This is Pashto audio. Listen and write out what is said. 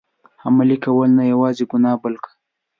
عملي کول، نه یوازي ګناه بلکه.